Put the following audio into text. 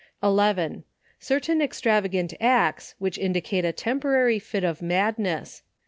11. Certain extravagant acts which indicate a tempo rary fit of madness.